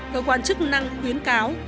cơ quan chức năng khuyến cáo